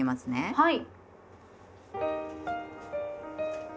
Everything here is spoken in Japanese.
はい。